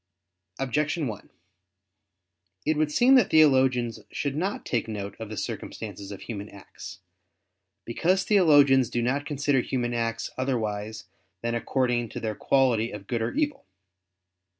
Objection 1: It would seem that theologians should not take note of the circumstances of human acts. Because theologians do not consider human acts otherwise than according to their quality of good or evil.